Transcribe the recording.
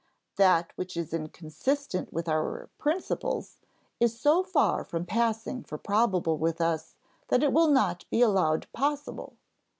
"That which is inconsistent with our principles is so far from passing for probable with us that it will not be allowed possible.